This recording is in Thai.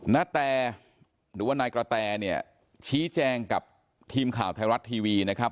นาแตหรือว่านายกระแตเนี่ยชี้แจงกับทีมข่าวไทยรัฐทีวีนะครับ